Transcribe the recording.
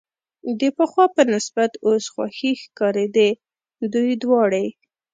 د پخوا په نسبت اوس خوښې ښکارېدې، دوی دواړې.